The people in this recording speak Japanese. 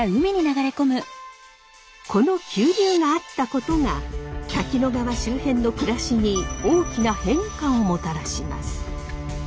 この急流があったことが「滝野川」周辺の暮らしに大きな変化をもたらします。